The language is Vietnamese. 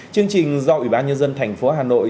chương trình do ủy ban nhân dân thành phố hà nội